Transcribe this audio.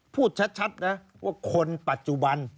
พูดชัดนะว่าคนปัจจุบัน